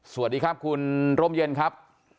สวัสดีครับคุณร่มเย็นครับ